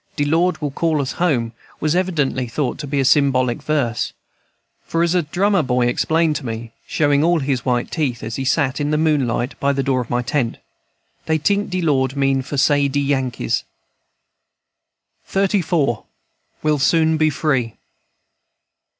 "De Lord will call us home," was evidently thought to be a symbolical verse; for, as a little drummer boy explained to me, showing all his white teeth as he sat in the moonlight by the door of my tent, "Dey tink de Lord mean for say de Yankees." XXXIV. WE'LL SOON BE FREE.